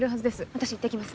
私行ってきます